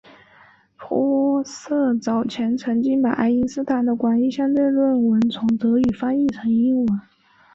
玻色早前曾经把爱因斯坦的广义相对论论文从德语翻译成英语。